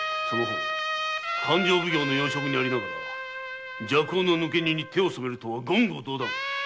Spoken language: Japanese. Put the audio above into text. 勘定奉行の要職にありながら麝香の抜け荷に手を染めるとは言語道断！